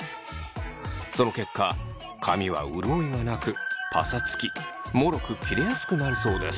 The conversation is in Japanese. その結果髪は潤いがなくパサつきもろく切れやすくなるそうです。